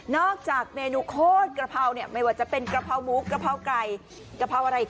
จากเมนูโคตรกะเพราเนี่ยไม่ว่าจะเป็นกะเพราหมูกะเพราไก่กะเพราอะไร